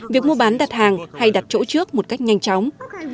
việc mua bán đặt hàng hay đặt chỗ trước một cách nhanh chóng